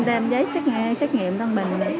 nên đem giấy xét nghiệm tân bình